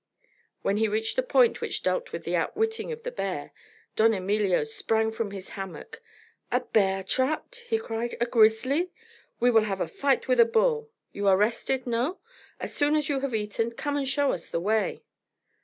When he reached the point which dealt with the outwitting of the bear, Don Emilio sprang from his hammock. "A bear trapped?" he cried. "A grizzly? We will have a fight with a bull. You are rested, no? As soon as you have eaten, come and show us the way."